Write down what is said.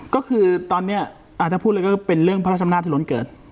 ก็คือตอนเนี่ยอ่าถ้าพูดเลยก็เป็นเรื่องพระราชมนาธิรวรรณเกิด